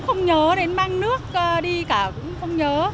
không nhớ đến băng nước đi cả cũng không nhớ